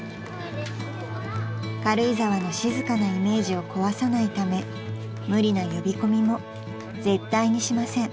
［軽井沢の静かなイメージを壊さないため無理な呼び込みも絶対にしません］